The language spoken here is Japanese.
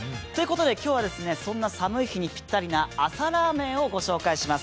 今日はそんな寒い日にぴったりな朝ラーメンをご紹介します。